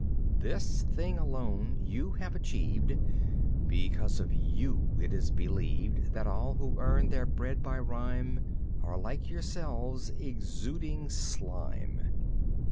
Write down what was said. This thing alone you have achieved: Because of you, it is believed That all who earn their bread by rhyme Are like yourselves, exuding slime.